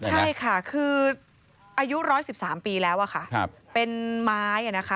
ใช่ค่ะคืออายุ๑๑๓ปีแล้วค่ะเป็นไม้นะคะ